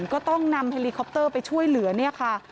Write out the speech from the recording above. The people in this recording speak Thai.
ก็ต้องนำเฮลิคอปเตอร์ไปช่วยเหลือเนี่ยค่ะ